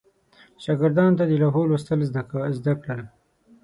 شاګردانو ته د لوحو لوستل زده کړل.